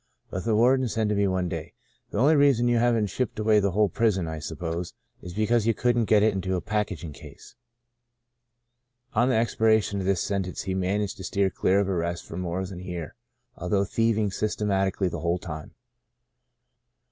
But the warden said to me one day :* The only reason you haven't shipped away the whole prison, I suppose, is because you couldn't get it into a packing case.' " On the expiration of this sentence he man aged to steer clear of arrest for more than a year, although thieving systematically the whole time.